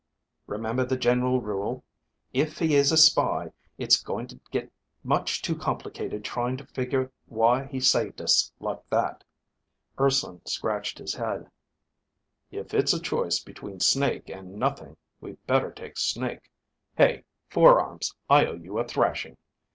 "Remember the general rule? If he is a spy, it's going to get much too complicated trying to figure why he saved us like that." Urson scratched his head. "If it's a choice between Snake and nothing, we better take Snake. Hey, Four Arms, I owe you a thrashing."